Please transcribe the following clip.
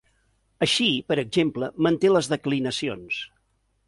Així, per exemple, manté les declinacions.